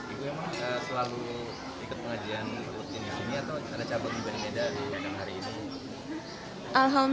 ibu memang selalu ikut pengajian rutin di sini atau ada cabang di medan di adang hari ini